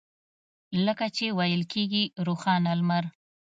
لکه چې ویل کېږي روښانه لمر.